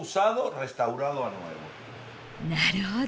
なるほど。